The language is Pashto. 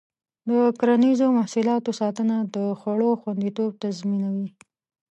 د کرنیزو محصولاتو ساتنه د خوړو خوندیتوب تضمینوي.